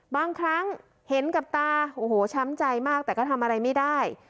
บางครั้งเห็นกับตาโอ้โหช้ำใจมากแต่ก็ทำอะไรไม่ได้